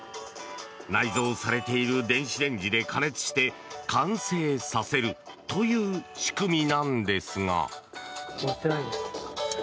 内蔵されている電子レンジで加熱して完成させるという仕組みなのですが。